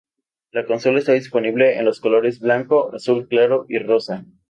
La consola está disponible en los colores blanco, azul claro y rosa.